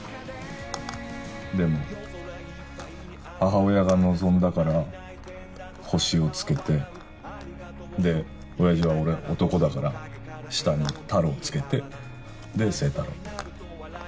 でも母親が望んだから「星」を付けてでおやじは俺が男だから下に「太郎」付けてで星太郎。